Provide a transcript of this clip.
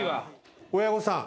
親御さん